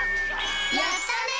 やったね！